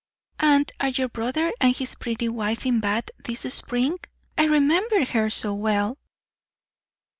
"And are your brother and his pretty wife in Bath this spring? I remember her so well."